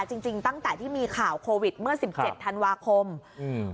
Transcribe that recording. จริงจริงตั้งแต่ที่มีข่าวโควิดเมื่อสิบเจ็ดธันวาคมอืม